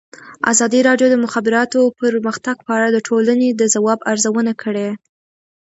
ازادي راډیو د د مخابراتو پرمختګ په اړه د ټولنې د ځواب ارزونه کړې.